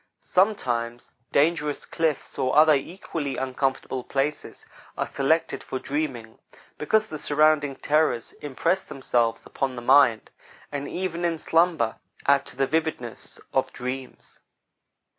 Sometimes dangerous cliffs, or other equally uncomfortable places, are selected for dreaming, because the surrounding terrors impress themselves upon the mind, and even in slumber add to the vividness of dreams.